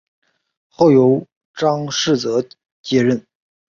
后由张世则接任。